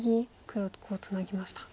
黒コウをツナぎました。